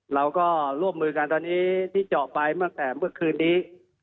เราก็ร่วมมือกันตอนนี้ที่เจาะไปตั้งแต่เมื่อคืนนี้